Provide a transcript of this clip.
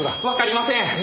わかりません！